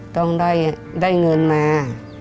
ต้องได้เงินมา